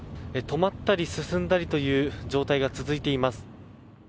止まったり進んだりという状態が続いています。